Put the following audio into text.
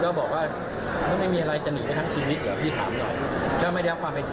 ก็ไม่ได้เอาความผิดถามก็หมดแต่เราความผิดความผิด